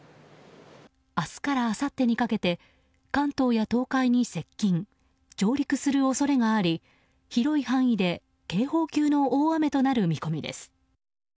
明日からあさってにかけて関東や東海に接近上陸する恐れがあり、広い範囲で警報級の大雨となる見込みです。